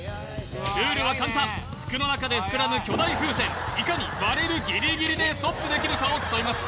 ルールは簡単服の中で膨らむ巨大風船いかに割れるギリギリでストップできるかを競います